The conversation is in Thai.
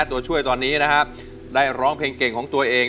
ตัวช่วยตอนนี้นะครับได้ร้องเพลงเก่งของตัวเอง